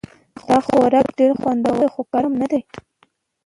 دا خوراک ډېر خوندور ده خو ګرم نه ده